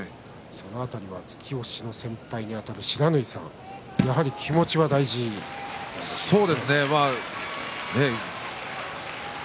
その辺りは突き押しの先輩にあたる不知火さん、やはり気持ちが大事ということですか。